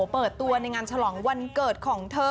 เปิดตัวในงานฉลองวันเกิดของเธอ